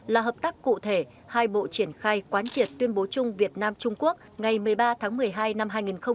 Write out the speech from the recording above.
là hợp tác cụ thể hai bộ triển khai quán triệt tuyên bố chung việt nam trung quốc ngày một mươi ba tháng một mươi hai năm hai nghìn hai mươi